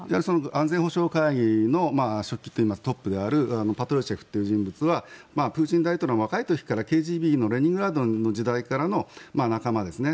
安全保障会議の書記といいますかトップであるパトルシェフという人物はプーチン大統領の若い時からＫＧＢのレニングラードの時代からの仲間ですね。